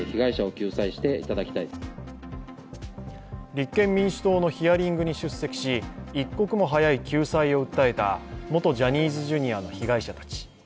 立憲民主党のヒアリングに出席し一刻も早い救済を訴えた元ジャニーズＪｒ．の被害者たち。